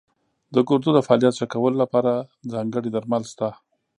د ګردو د فعالیت ښه کولو لپاره ځانګړي درمل شته.